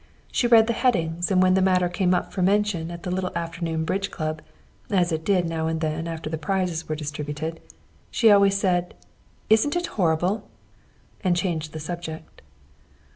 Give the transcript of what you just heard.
She read the headings, and when the matter came up for mention at the little afternoon bridge club, as it did now and then after the prizes were distributed, she always said "Isn't it horrible!" and changed the subject.